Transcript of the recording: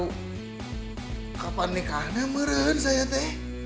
kapan nikahnya meren saya te